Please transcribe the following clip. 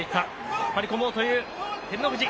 引っ張り込もうという照ノ富士。